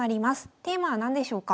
テーマは何でしょうか。